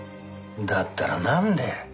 だったらなんで。